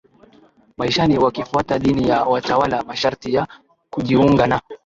maishani wakifuata dini ya watawala Masharti ya kujiunga na